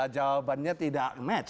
jawabannya tidak match ya